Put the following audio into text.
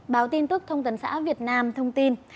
báo tin tức thông tấn xã việt nam thông tin